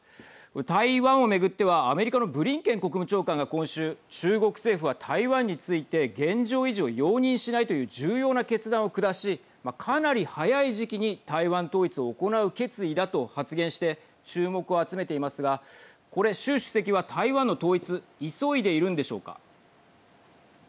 台湾を巡ってはアメリカのブリンケン国務長官が今週中国政府は台湾について現状維持を容認しないという重要な決断を下しかなり早い時期に台湾統一を行う決意だと発言して注目を集めていますがこれ、習主席は台湾の統一急いでいるんでしょうか。